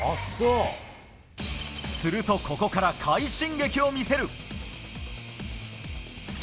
するとここから快進撃を見せる！